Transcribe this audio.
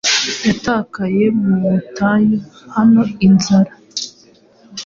Yatakaye mu butayu hano ninzara